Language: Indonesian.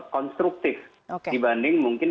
konstruktif dibanding mungkin